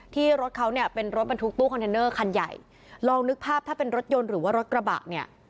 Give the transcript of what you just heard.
รถเขาเนี่ยเป็นรถบรรทุกตู้คอนเทนเนอร์คันใหญ่ลองนึกภาพถ้าเป็นรถยนต์หรือว่ารถกระบะเนี่ย